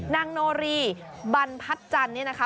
นางโนรีบรรพัฒนจันทร์เนี่ยนะคะ